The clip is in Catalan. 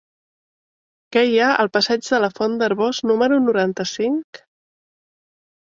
Què hi ha al passeig de la Font d'Arboç número noranta-cinc?